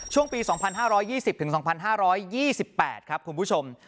ช่วงปี๒๕๒๐๒๕๒๘ครับคุณผู้ชม